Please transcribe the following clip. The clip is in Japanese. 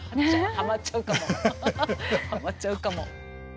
はまっちゃうかも。